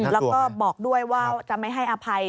แล้วก็บอกด้วยว่าจะไม่ให้อภัย